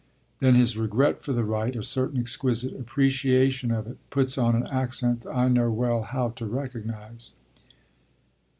Then his regret for the right, a certain exquisite appreciation of it, puts on an accent I know well how to recognise."